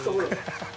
ハハハ